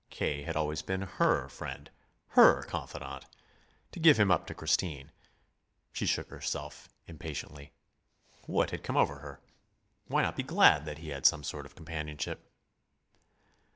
K. had always been HER friend, HER confidant. To give him up to Christine she shook herself impatiently. What had come over her? Why not be glad that he had some sort of companionship?